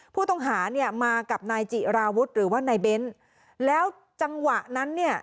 ผู้ต้องหาเนี่ยมากับนายจิราวุฒิหรือว่านายเบ้นแล้วจังหวะนั้นเนี่ย